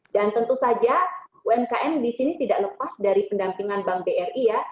dan tentu saja umkm di sini tidak lepas dari pendampingan bank bri ya